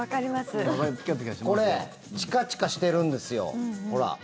これチカチカしてるんですよ。